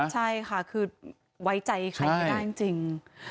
ใช่ค่ะคือไว้ใจใครไม่ได้จริง